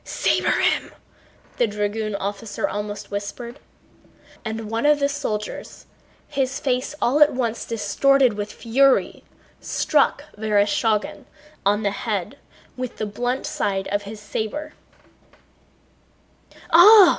"Saber him!" the dragoon officer almost whispered. And one of the soldiers, his face all at once distorted with fury, struck Vereshchágin on the head with the blunt side of his saber. "Ah!"